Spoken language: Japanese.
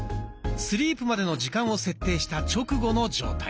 スリープまでの時間を設定した直後の状態。